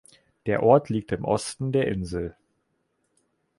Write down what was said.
Der Ort liegt im Osten der Insel.